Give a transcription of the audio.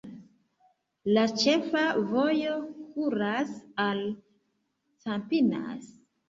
La ĉefa vojo kuras al Campinas.